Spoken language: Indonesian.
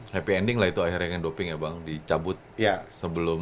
happy ending lah itu akhirnya yang doping ya bang dicabut sebelum